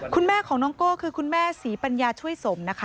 คุณแม่ของน้องโก้คือคุณแม่ศรีปัญญาช่วยสมนะคะ